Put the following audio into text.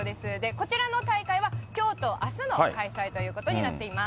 こちらの大会はきょうとあすの開催ということになっています。